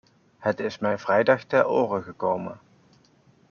Het is mij vrijdag ter ore gekomen.